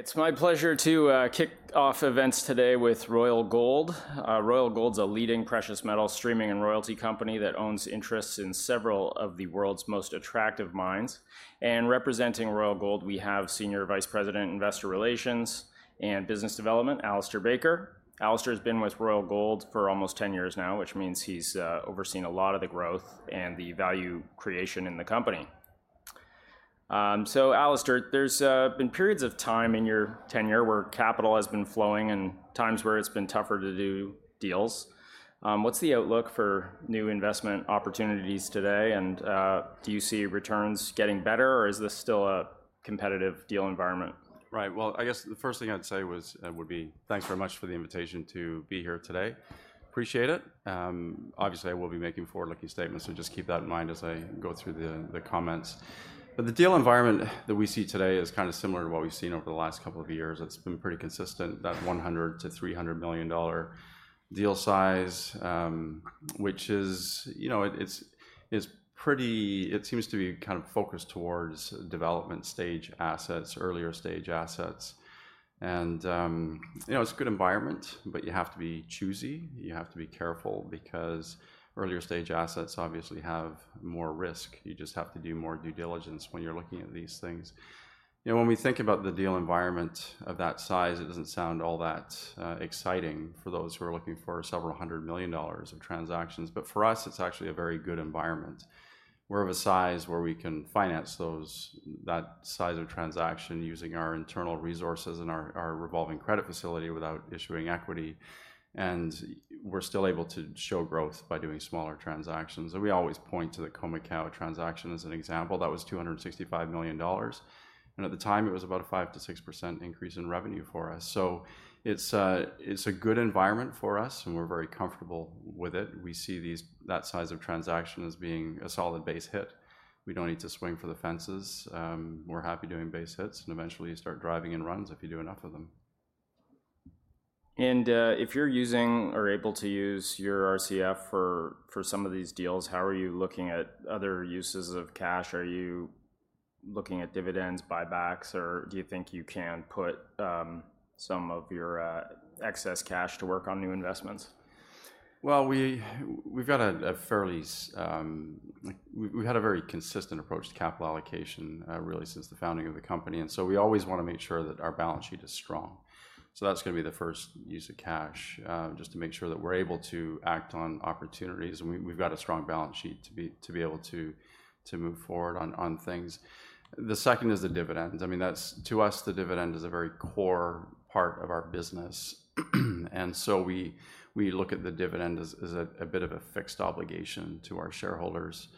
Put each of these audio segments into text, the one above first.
It's my pleasure to kick off events today with Royal Gold. Royal Gold's a leading precious metal streaming and royalty company that owns interests in several of the world's most attractive mines. And representing Royal Gold, we have Senior Vice President, Investor Relations and Business Development, Alistair Baker. Alistair's been with Royal Gold for almost 10 years now, which means he's overseen a lot of the growth and the value creation in the company. So Alistair, there's been periods of time in your tenure where capital has been flowing and times where it's been tougher to do deals. What's the outlook for new investment opportunities today? And do you see returns getting better, or is this still a competitive deal environment? Right. I guess the first thing I'd say would be, thanks very much for the invitation to be here today. Appreciate it. Obviously, I will be making forward-looking statements, so just keep that in mind as I go through the comments. But the deal environment that we see today is kinda similar to what we've seen over the last couple of years. It's been pretty consistent, that $100-$300 million deal size, which is, you know, it seems to be kind of focused towards development stage assets, earlier stage assets. You know, it's a good environment, but you have to be choosy. You have to be careful because earlier stage assets obviously have more risk. You just have to do more due diligence when you're looking at these things. You know, when we think about the deal environment of that size, it doesn't sound all that exciting for those who are looking for several hundred million dollars of transactions, but for us, it's actually a very good environment. We're of a size where we can finance that size of transaction using our internal resources and our revolving credit facility without issuing equity, and we're still able to show growth by doing smaller transactions. And we always point to the Khoemacau transaction as an example. That was $265 million, and at the time, it was about a 5%-6% increase in revenue for us. So it's a good environment for us, and we're very comfortable with it. We see that size of transaction as being a solid base hit. We don't need to swing for the fences. We're happy doing base hits, and eventually, you start driving in runs if you do enough of them. If you're using or able to use your RCF for some of these deals, how are you looking at other uses of cash? Are you looking at dividends, buybacks, or do you think you can put some of your excess cash to work on new investments? We've had a very consistent approach to capital allocation, really since the founding of the company, and so we always wanna make sure that our balance sheet is strong. That's gonna be the first use of cash, just to make sure that we're able to act on opportunities, and we've got a strong balance sheet to be able to move forward on things. The second is the dividends. I mean, that's to us, the dividend is a very core part of our business, and so we look at the dividend as a bit of a fixed obligation to our shareholders.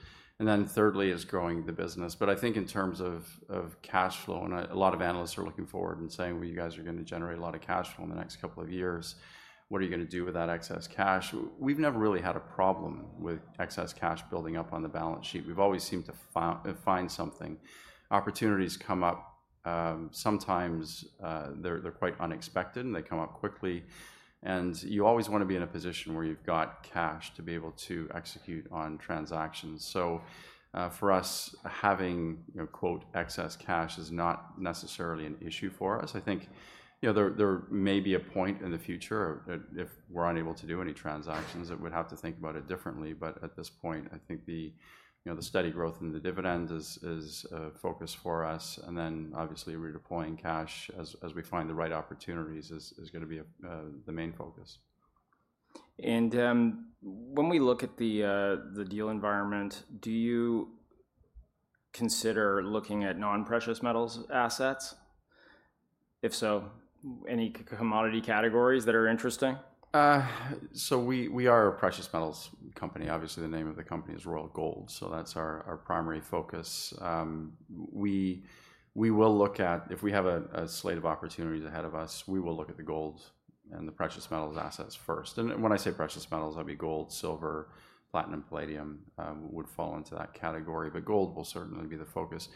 Then thirdly is growing the business. But I think in terms of cash flow, and a lot of analysts are looking forward and saying: "Well, you guys are gonna generate a lot of cash flow in the next couple of years. What are you gonna do with that excess cash?" We've never really had a problem with excess cash building up on the balance sheet. We've always seemed to find something. Opportunities come up, sometimes, they're quite unexpected, and they come up quickly, and you always wanna be in a position where you've got cash to be able to execute on transactions. So, for us, having, you know, quote, "excess cash" is not necessarily an issue for us. I think, you know, there may be a point in the future that if we're unable to do any transactions, that we'd have to think about it differently, but at this point, I think the, you know, the steady growth in the dividend is a focus for us, and then, obviously, redeploying cash as we find the right opportunities is gonna be the main focus. When we look at the deal environment, do you consider looking at non-precious metals assets? If so, any commodity categories that are interesting? So we are a precious metals company. Obviously, the name of the company is Royal Gold, so that's our primary focus. We will look at. If we have a slate of opportunities ahead of us, we will look at the gold and the precious metals assets first, and when I say precious metals, that'd be gold, silver, platinum, palladium would fall into that category, but gold will certainly be the focus.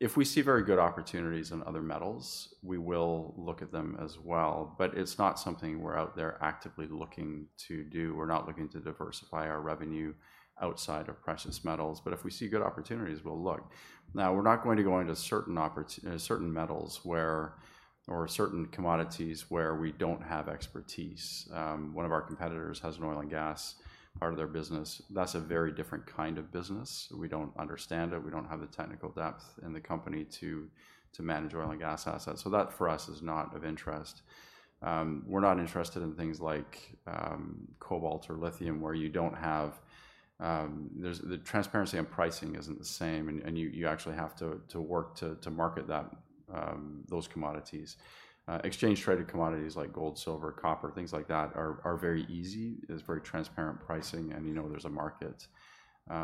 If we see very good opportunities in other metals, we will look at them as well, but it's not something we're out there actively looking to do. We're not looking to diversify our revenue outside of precious metals, but if we see good opportunities, we'll look. Now, we're not going to go into certain metals where, or certain commodities where, we don't have expertise. One of our competitors has an oil and gas part of their business. That's a very different kind of business. We don't understand it. We don't have the technical depth in the company to manage oil and gas assets, so that, for us, is not of interest. We're not interested in things like cobalt or lithium, where you don't have the transparency on pricing isn't the same, and you actually have to work to market those commodities. Exchange-traded commodities like gold, silver, copper, things like that, are very easy. There's very transparent pricing, and you know there's a market.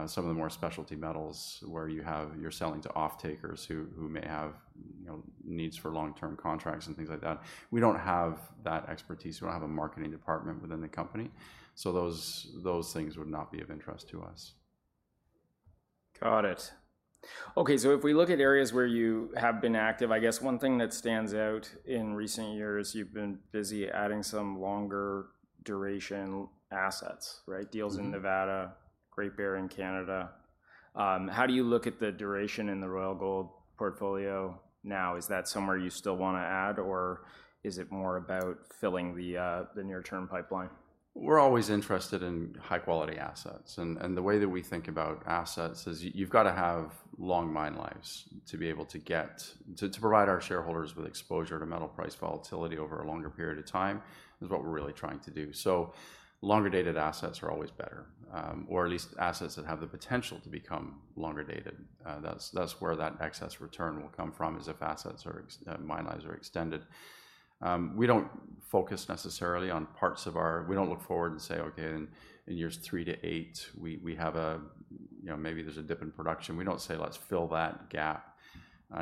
Some of the more specialty metals, where you're selling to off-takers who may have, you know, needs for long-term contracts and things like that, we don't have that expertise. We don't have a marketing department within the company, so those things would not be of interest to us.... Got it. Okay, so if we look at areas where you have been active, I guess one thing that stands out in recent years, you've been busy adding some longer duration assets, right? Mm-hmm. Deals in Nevada, Great Bear in Canada. How do you look at the duration in the Royal Gold portfolio now? Is that somewhere you still wanna add, or is it more about filling the near-term pipeline? We're always interested in high-quality assets, and the way that we think about assets is you've gotta have long mine lives to be able to get to provide our shareholders with exposure to metal price volatility over a longer period of time, is what we're really trying to do. So longer-dated assets are always better, or at least assets that have the potential to become longer-dated. That's where that excess return will come from, is if mine lives are extended. We don't look forward and say, "Okay, in years three to eight, we have a you know, maybe there's a dip in production." We don't say, "Let's fill that gap,"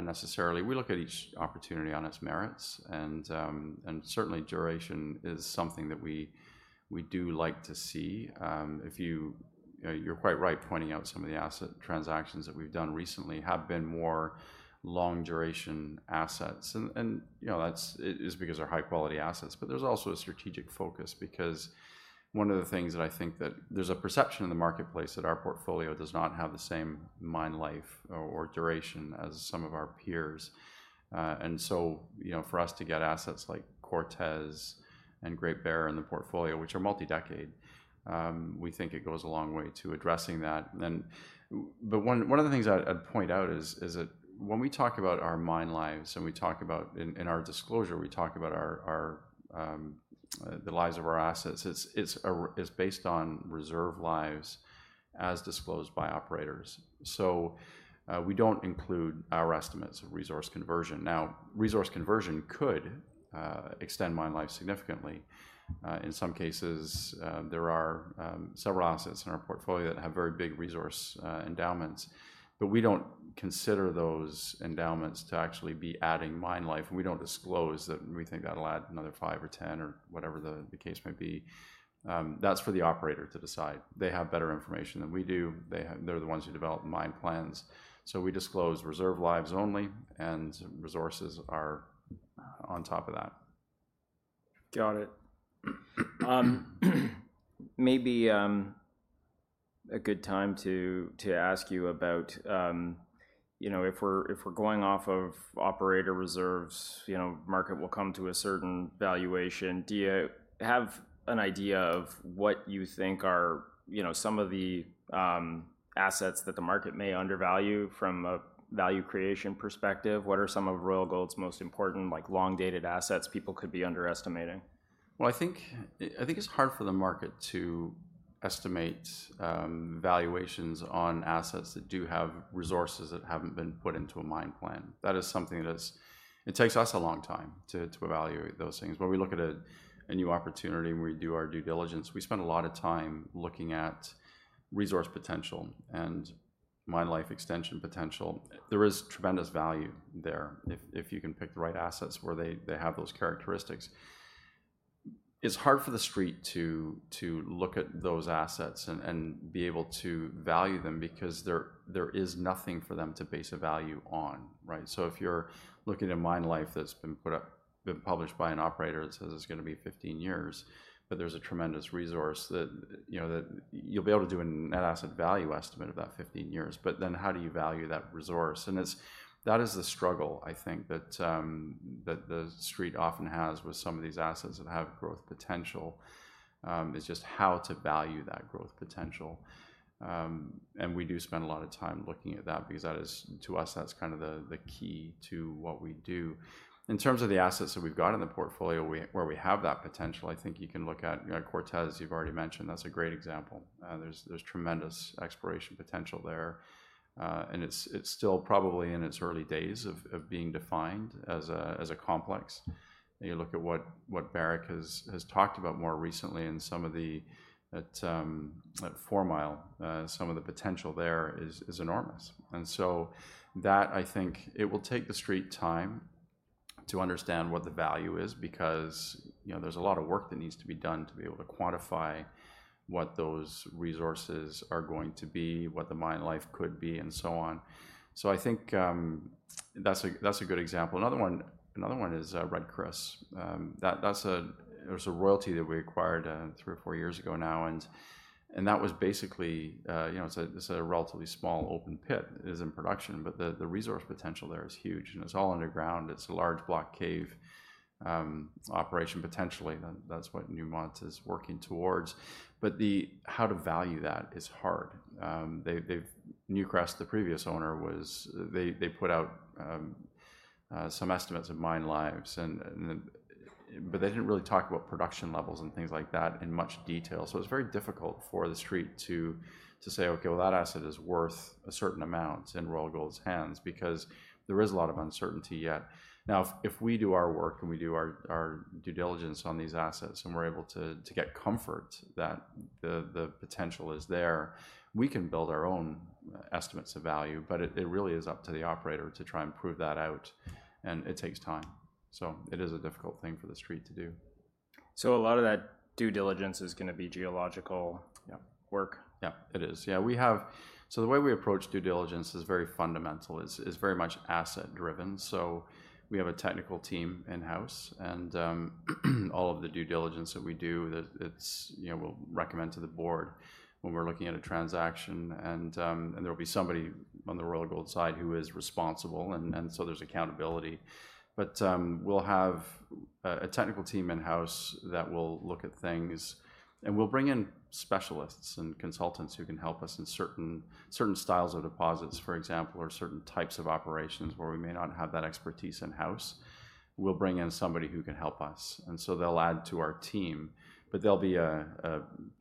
necessarily. We look at each opportunity on its merits, and certainly, duration is something that we do like to see. You're quite right pointing out some of the asset transactions that we've done recently have been more long-duration assets, and, you know, it is because they're high-quality assets. But there's also a strategic focus because one of the things that I think that there's a perception in the marketplace that our portfolio does not have the same mine life or duration as some of our peers. And so, you know, for us to get assets like Cortez and Great Bear in the portfolio, which are multi-decade, we think it goes a long way to addressing that. One of the things I'd point out is that when we talk about our mine lives, and we talk about in our disclosure we talk about the lives of our assets. It's based on reserve lives as disclosed by operators. So we don't include our estimates of resource conversion. Now resource conversion could extend mine life significantly. In some cases there are several assets in our portfolio that have very big resource endowments, but we don't consider those endowments to actually be adding mine life, and we don't disclose that we think that'll add another five or ten, or whatever the case may be. That's for the operator to decide. They have better information than we do. They're the ones who develop mine plans. We disclose reserve lives only, and resources are on top of that. Got it. Maybe a good time to ask you about, you know, if we're going off of operator reserves, you know, market will come to a certain valuation. Do you have an idea of what you think are, you know, some of the assets that the market may undervalue from a value creation perspective? What are some of Royal Gold's most important, like, long-dated assets people could be underestimating? I think it's hard for the market to estimate valuations on assets that do have resources that haven't been put into a mine plan. That is something that. It takes us a long time to evaluate those things. When we look at a new opportunity and we do our due diligence, we spend a lot of time looking at resource potential and mine life extension potential. There is tremendous value there if you can pick the right assets where they have those characteristics. It's hard for the Street to look at those assets and be able to value them because there is nothing for them to base a value on, right? So if you're looking at a mine life that's been published by an operator that says it's gonna be 15 years, but there's a tremendous resource that, you know, that you'll be able to do a net asset value estimate of that 15 years. But then how do you value that resource? And that is the struggle, I think, that the Street often has with some of these assets that have growth potential is just how to value that growth potential. And we do spend a lot of time looking at that because that is... To us, that's kind of the key to what we do. In terms of the assets that we've got in the portfolio, where we have that potential, I think you can look at, you know, Cortez, you've already mentioned. That's a great example. There's tremendous exploration potential there, and it's still probably in its early days of being defined as a complex. You look at what Barrick has talked about more recently in some of the at Fourmile, some of the potential there is enormous. And so that, I think it will take the Street time to understand what the value is because, you know, there's a lot of work that needs to be done to be able to quantify what those resources are going to be, what the mine life could be, and so on. So I think that's a good example. Another one is Red Chris. That's a royalty that we acquired three or four years ago now, and that was basically, you know, it's a relatively small open pit. It is in production, but the resource potential there is huge, and it's all underground. It's a large block cave operation, potentially. That's what Newmont is working towards. But how to value that is hard. Newcrest, the previous owner, they put out some estimates of mine lives and, but they didn't really talk about production levels and things like that in much detail. So it's very difficult for the Street to say, "Okay, well, that asset is worth a certain amount in Royal Gold's hands," because there is a lot of uncertainty yet. Now, if we do our work, and we do our due diligence on these assets, and we're able to get comfort that the potential is there, we can build our own estimates of value. But it really is up to the operator to try and prove that out, and it takes time. So it is a difficult thing for the Street to do.... So a lot of that due diligence is gonna be geological- Yeah - work? Yeah, it is. Yeah, we have. So the way we approach due diligence is very fundamental. It's very much asset driven, so we have a technical team in-house, and all of the due diligence that we do, you know, we'll recommend to the board when we're looking at a transaction, and there'll be somebody on the Royal Gold side who is responsible, and so there's accountability. But we'll have a technical team in-house that will look at things, and we'll bring in specialists and consultants who can help us in certain styles of deposits, for example, or certain types of operations where we may not have that expertise in-house. We'll bring in somebody who can help us, and so they'll add to our team, but they'll be a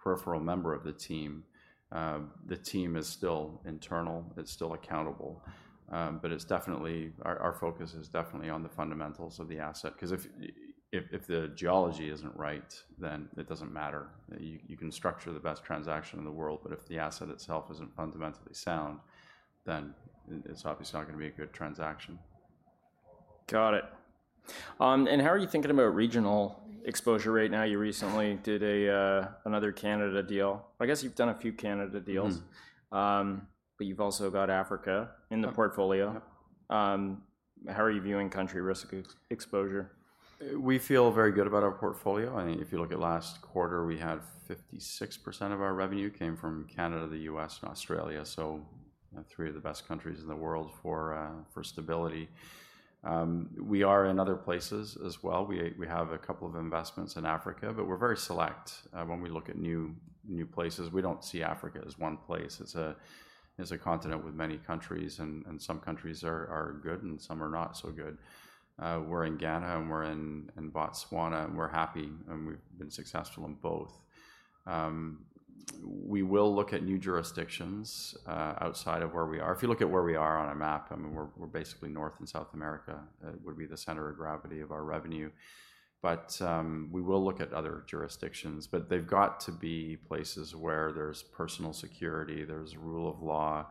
peripheral member of the team. The team is still internal. It's still accountable, but it's definitely... Our focus is definitely on the fundamentals of the asset, 'cause if the geology isn't right, then it doesn't matter. You can structure the best transaction in the world, but if the asset itself isn't fundamentally sound, then it's obviously not gonna be a good transaction. Got it, and how are you thinking about regional exposure right now? You recently did another Canada deal. I guess you've done a few Canada deals. Mm. But you've also got Africa- Yep... in the portfolio. Yep. How are you viewing country risk exposure? We feel very good about our portfolio. I mean, if you look at last quarter, we had 56% of our revenue came from Canada, the U.S., and Australia, so three of the best countries in the world for stability. We are in other places as well. We have a couple of investments in Africa, but we're very select when we look at new places. We don't see Africa as one place. It's a continent with many countries, and some countries are good and some are not so good. We're in Ghana, and we're in Botswana, and we're happy, and we've been successful in both. We will look at new jurisdictions outside of where we are. If you look at where we are on a map, I mean, we're basically North and South America would be the center of gravity of our revenue. But we will look at other jurisdictions, but they've got to be places where there's personal security, there's rule of law,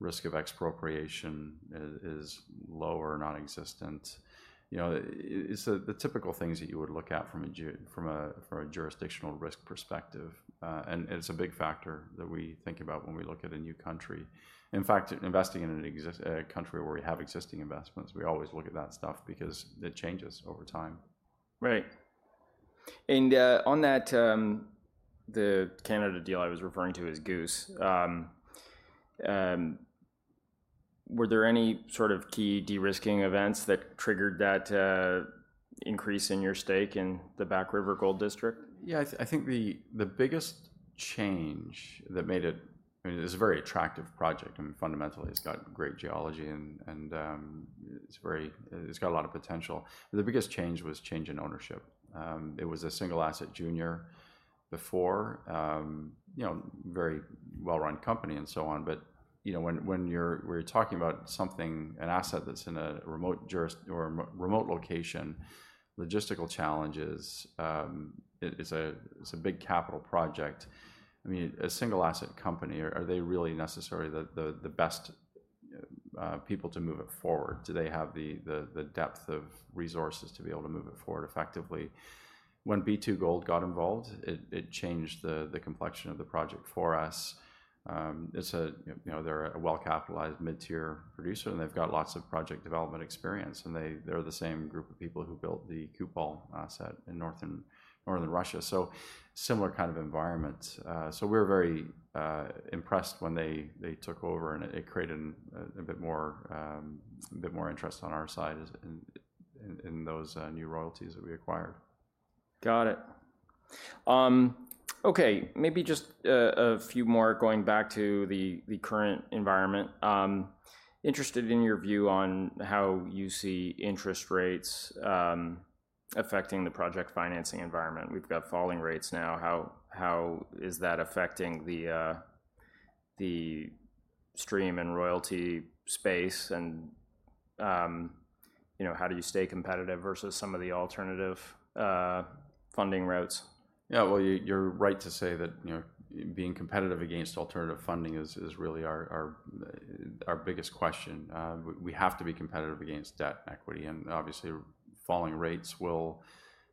risk of expropriation is low or non-existent. You know, it's the typical things that you would look at from a jurisdictional risk perspective, and it's a big factor that we think about when we look at a new country. In fact, investing in a country where we have existing investments, we always look at that stuff because it changes over time. Right. And, on that, the Canada deal I was referring to as Goose, were there any sort of key de-risking events that triggered that increase in your stake in the Back River Gold District? Yeah, I think the biggest change that made it... I mean, it was a very attractive project, and fundamentally, it's got great geology, and it's very, it's got a lot of potential. The biggest change was change in ownership. It was a single-asset junior before, you know, very well-run company and so on, but you know, when you're talking about something, an asset that's in a remote location, logistical challenges, it is a, it's a big capital project. I mean, a single-asset company, are they really necessarily the best people to move it forward? Do they have the depth of resources to be able to move it forward effectively? When B2Gold got involved, it changed the complexion of the project for us. You know, they're a well-capitalized, mid-tier producer, and they've got lots of project development experience, and they're the same group of people who built the Kupol asset in Northern Russia, so similar kind of environments. So we were very impressed when they took over, and it created a bit more interest on our side in those new royalties that we acquired. Got it. Okay, maybe just a few more going back to the current environment. Interested in your view on how you see interest rates affecting the project financing environment. We've got falling rates now. How is that affecting the stream and royalty space, and you know, how do you stay competitive versus some of the alternative funding routes? Yeah, well, you're right to say that, you know, being competitive against alternative funding is really our biggest question. We have to be competitive against debt and equity, and obviously, falling rates will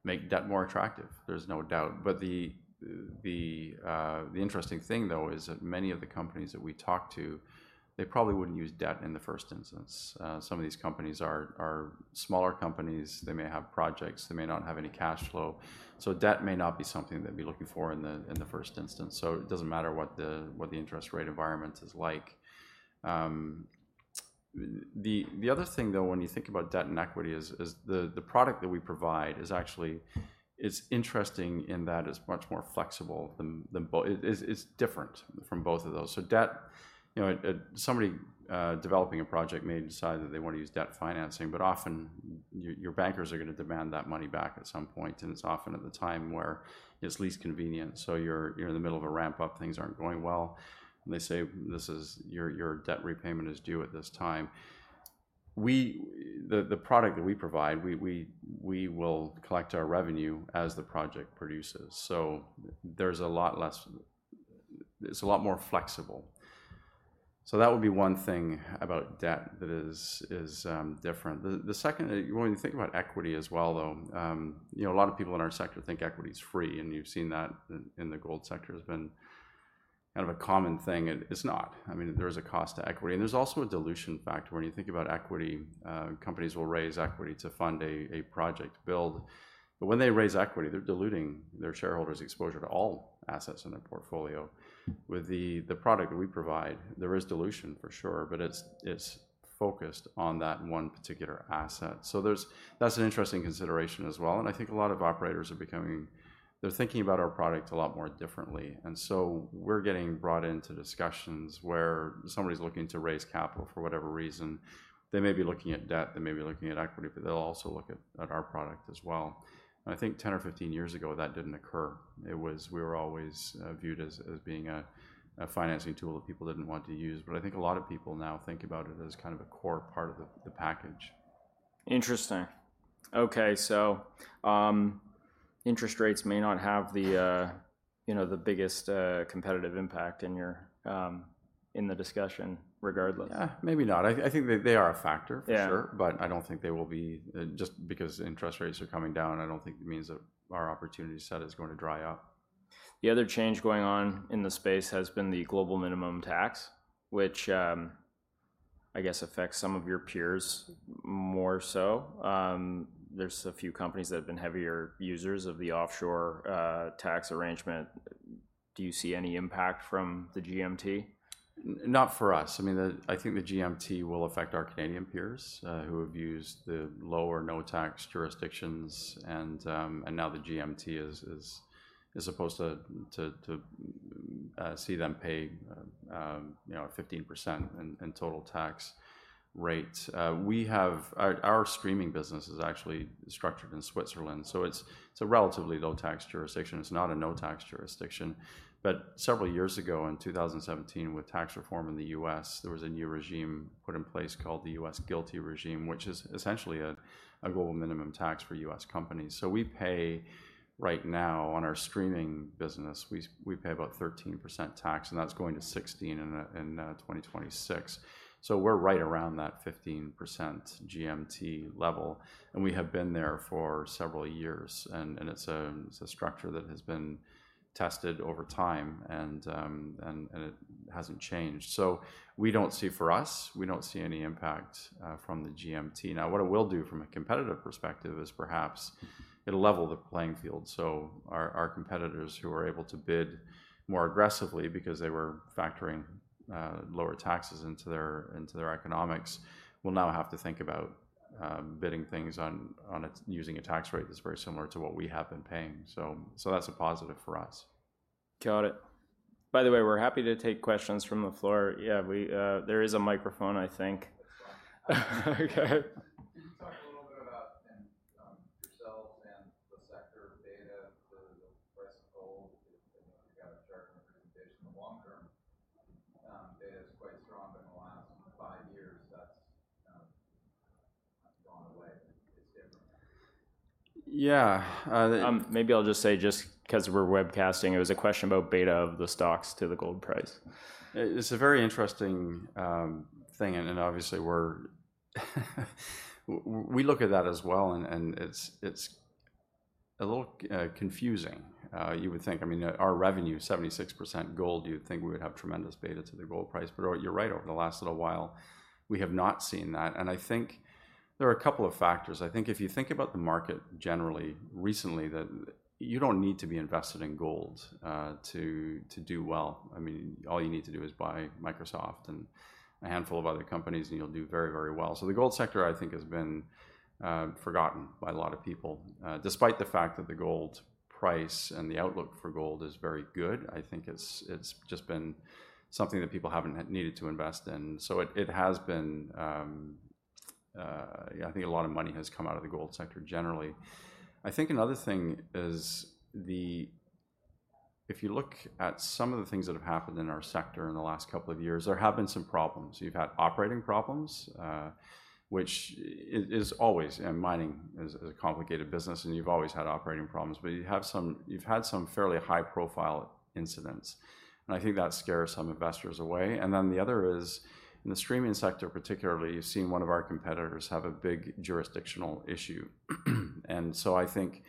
make debt more attractive, there's no doubt. But the interesting thing, though, is that many of the companies that we talk to, they probably wouldn't use debt in the first instance. Some of these companies are smaller companies. They may have projects, they may not have any cash flow, so debt may not be something they'd be looking for in the first instance, so it doesn't matter what the interest rate environment is like. The other thing, though, when you think about debt and equity is the product that we provide is actually... It's interesting in that it's much more flexible than both. It's different from both of those. Debt, you know, somebody developing a project may decide that they want to use debt financing, but often, your bankers are gonna demand that money back at some point, and it's often at the time where it's least convenient. You're in the middle of a ramp-up, things aren't going well, and they say, "This is your debt repayment is due at this time." The product that we provide, we will collect our revenue as the project produces. There's a lot less. It's a lot more flexible. That would be one thing about debt that is different. The second, when you think about equity as well, though, you know, a lot of people in our sector think equity is free, and you've seen that in the gold sector. It's been kind of a common thing, and it's not. I mean, there is a cost to equity, and there's also a dilution factor. When you think about equity, companies will raise equity to fund a project build. But when they raise equity, they're diluting their shareholders' exposure to all assets in their portfolio. With the product that we provide, there is dilution for sure, but it's focused on that one particular asset. So that's an interesting consideration as well, and I think a lot of operators are becoming... They're thinking about our product a lot more differently, and so we're getting brought into discussions where somebody's looking to raise capital for whatever reason. They may be looking at debt, they may be looking at equity, but they'll also look at our product as well. And I think 10 or 15 years ago, that didn't occur. It was. We were always viewed as being a financing tool that people didn't want to use. But I think a lot of people now think about it as kind of a core part of the package. Interesting. Okay, so, interest rates may not have the, you know, the biggest, competitive impact in your, in the discussion regardless. Maybe not. I think they are a factor- Yeah... for sure, but I don't think they will be, just because interest rates are coming down, I don't think it means that our opportunity set is going to dry up. The other change going on in the space has been the global minimum tax, which, I guess affects some of your peers more so. There's a few companies that have been heavier users of the offshore, tax arrangement. Do you see any impact from the GMT? Not for us. I mean, I think the GMT will affect our Canadian peers who have used the low or no tax jurisdictions, and now the GMT is supposed to see them pay, you know, a 15% in total tax rate. We have. Our streaming business is actually structured in Switzerland, so it's a relatively low tax jurisdiction. It's not a no tax jurisdiction. But several years ago, in 2017, with tax reform in the U.S., there was a new regime put in place called the U.S. GILTI regime, which is essentially a global minimum tax for U.S. companies. So we pay, right now, on our streaming business, we pay about 13% tax, and that's going to 16% in 2026. We're right around that 15% GMT level, and we have been there for several years and it's a structure that has been tested over time, and it hasn't changed. We don't see for us, we don't see any impact from the GMT. Now, what it will do from a competitive perspective is perhaps it'll level the playing field. Our competitors who are able to bid more aggressively because they were factoring lower taxes into their economics will now have to think about bidding things on using a tax rate that's very similar to what we have been paying. That's a positive for us. Got it. By the way, we're happy to take questions from the floor. There is a microphone, I think. Okay. Can you talk a little bit about yourselves and the sector beta, the price of gold? You know, you've got a chart in your presentation. The long-term beta is quite strong, but in the last five years, that's gone away, and it's different. Yeah. Maybe I'll just say, just 'cause we're webcasting, it was a question about beta of the stocks to the gold price. It's a very interesting thing, and obviously, we're, we look at that as well, and it's a little confusing. You would think, I mean, our revenue, 76% gold, you'd think we would have tremendous beta to the gold price. But, oh, you're right, over the last little while, we have not seen that, and I think there are a couple of factors. I think if you think about the market generally, recently, that you don't need to be invested in gold to do well. I mean, all you need to do is buy Microsoft and a handful of other companies, and you'll do very, very well. So the gold sector, I think, has been forgotten by a lot of people, despite the fact that the gold price and the outlook for gold is very good. I think it's just been something that people haven't needed to invest in. So it has been. Yeah, I think a lot of money has come out of the gold sector generally. I think another thing is the. If you look at some of the things that have happened in our sector in the last couple of years, there have been some problems. You've had operating problems, which is always, and mining is a complicated business, and you've always had operating problems, but you've had some fairly high-profile incidents, and I think that scares some investors away. And then the other is, in the streaming sector particularly, you've seen one of our competitors have a big jurisdictional issue. And so I think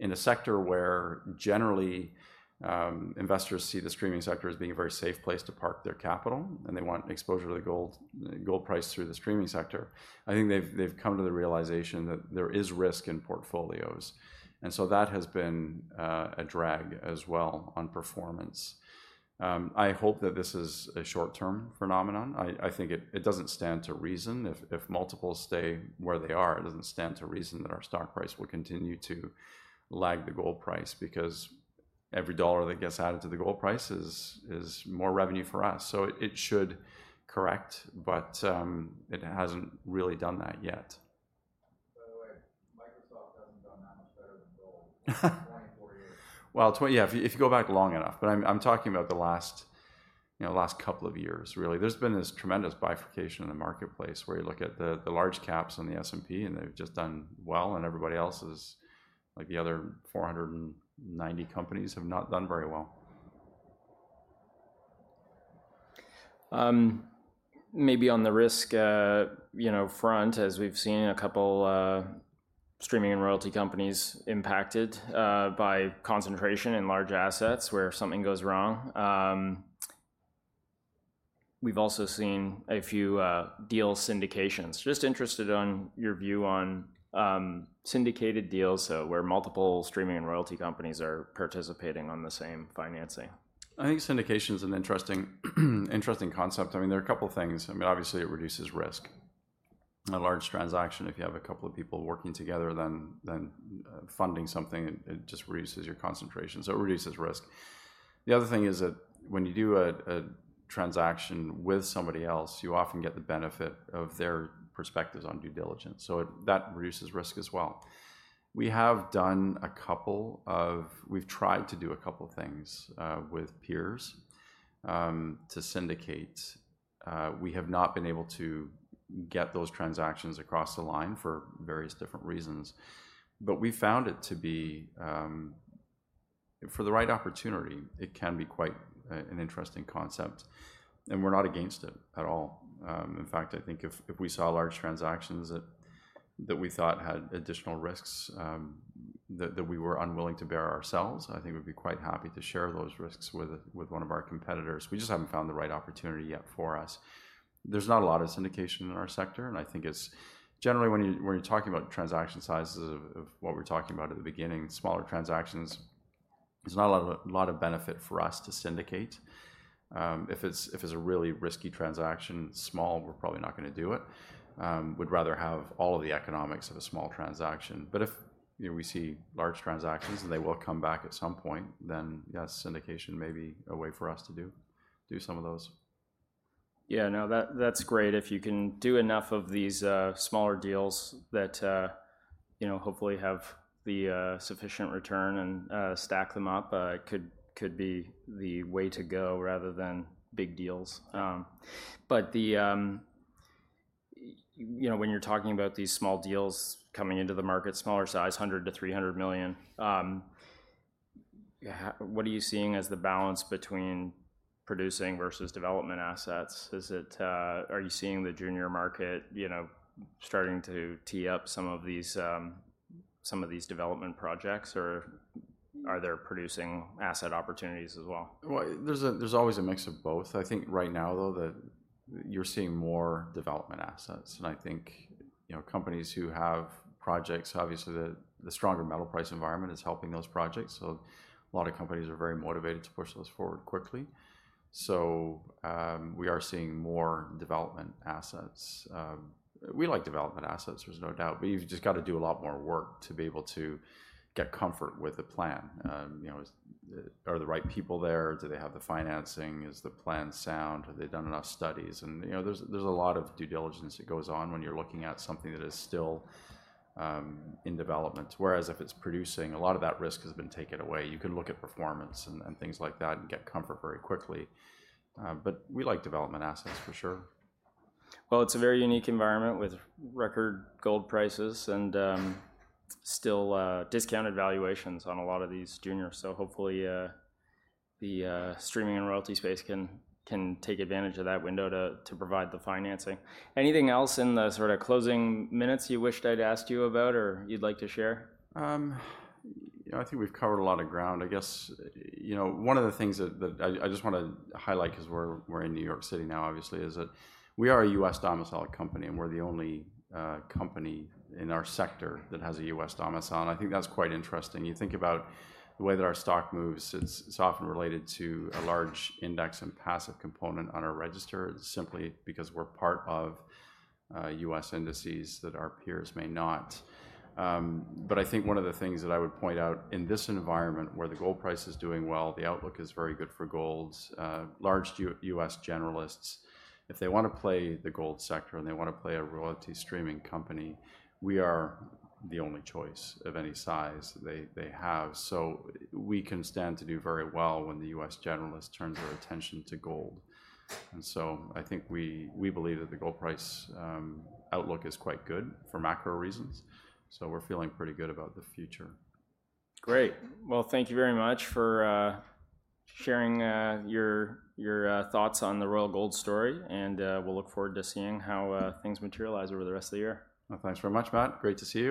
in a sector where generally investors see the streaming sector as being a very safe place to park their capital, and they want exposure to the gold price through the streaming sector, I think they've come to the realization that there is risk in portfolios, and so that has been a drag as well on performance. I hope that this is a short-term phenomenon. I think it doesn't stand to reason. If multiples stay where they are, it doesn't stand to reason that our stock price will continue to lag the gold price because every dollar that gets added to the gold price is more revenue for us, so it should correct, but it hasn't really done that yet. By the way, Microsoft hasn't done that much better than gold in twenty-four years. If you go back long enough, but I'm talking about the last couple of years, really. There's been this tremendous bifurcation in the marketplace, where you look at the large caps on the S&P, and they've just done well, and everybody else is, like the other four hundred and ninety companies, have not done very well. Maybe on the risk, you know, front, as we've seen a couple streaming and royalty companies impacted by concentration in large assets, where if something goes wrong. We've also seen a few deal syndications. Just interested on your view on syndicated deals, where multiple streaming and royalty companies are participating on the same financing? I think syndication is an interesting, interesting concept. I mean, there are a couple things. I mean, obviously, it reduces risk. In a large transaction, if you have a couple of people working together, then funding something, it just reduces your concentration, so it reduces risk. The other thing is that when you do a transaction with somebody else, you often get the benefit of their perspectives on due diligence, so it. That reduces risk as well. We've tried to do a couple things with peers to syndicate. We have not been able to get those transactions across the line for various different reasons, but we found it to be for the right opportunity, it can be quite an interesting concept, and we're not against it at all. In fact, I think if we saw large transactions that we thought had additional risks that we were unwilling to bear ourselves, I think we'd be quite happy to share those risks with one of our competitors. We just haven't found the right opportunity yet for us. There's not a lot of syndication in our sector, and I think it's generally, when you're talking about transaction sizes of what we're talking about at the beginning, smaller transactions, there's not a lot of benefit for us to syndicate. If it's a really risky transaction, small, we're probably not gonna do it. We'd rather have all of the economics of a small transaction. But if, you know, we see large transactions, and they will come back at some point, then, yes, syndication may be a way for us to do some of those. Yeah, no, that, that's great. If you can do enough of these smaller deals that you know, hopefully, have the sufficient return and stack them up, it could be the way to go rather than big deals, but you know, when you're talking about these small deals coming into the market, smaller size, $100-$300 million, what are you seeing as the balance between producing versus development assets? Is it... Are you seeing the junior market, you know, starting to tee up some of these development projects, or are there producing asset opportunities as well? There's always a mix of both. I think right now, though, that you're seeing more development assets. I think, you know, companies who have projects, obviously, the stronger metal price environment is helping those projects, so a lot of companies are very motivated to push those forward quickly. We are seeing more development assets. We like development assets, there's no doubt, but you've just gotta do a lot more work to be able to get comfort with the plan. You know, are the right people there? Do they have the financing? Is the plan sound? Have they done enough studies? You know, there's a lot of due diligence that goes on when you're looking at something that is still in development. Whereas if it's producing, a lot of that risk has been taken away. You can look at performance and things like that and get comfort very quickly, but we like development assets for sure. Well, it's a very unique environment with record gold prices and still discounted valuations on a lot of these juniors. So hopefully the streaming and royalty space can take advantage of that window to provide the financing. Anything else in the sort of closing minutes you wished I'd asked you about or you'd like to share? I think we've covered a lot of ground. I guess, you know, one of the things that I just wanna highlight, 'cause we're in New York City now, obviously, is that we are a U.S.-domiciled company, and we're the only company in our sector that has a U.S. domicile, and I think that's quite interesting. You think about the way that our stock moves, it's often related to a large index and passive component on our register, simply because we're part of U.S. indices that our peers may not. But I think one of the things that I would point out, in this environment where the gold price is doing well, the outlook is very good for gold. Large U.S. generalists, if they wanna play the gold sector, and they wanna play a royalty streaming company, we are the only choice of any size they have, so we can stand to do very well when the U.S. generalists turn their attention to gold, and so I think we believe that the gold price outlook is quite good for macro reasons, so we're feeling pretty good about the future. Great! Well, thank you very much for sharing your thoughts on the Royal Gold story, and we'll look forward to seeing how things materialize over the rest of the year. Thanks very much, Matt. Great to see you.